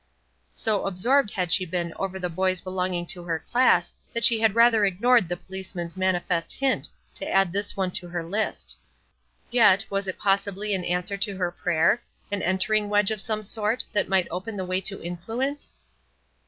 So absorbed had she been over the boys belonging to her class that she had rather ignored the policeman's manifest hint to add this one to her list. Yet, was it possibly an answer to her prayer, an entering wedge of some sort, that might open the way to influence?